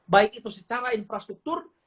baik itu secara infrastruktur